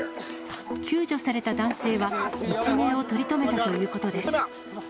救助された男性は一命を取り留めたということです。